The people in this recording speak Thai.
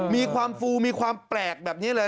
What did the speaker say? มีความฟูมีความแปลกแบบนี้เลย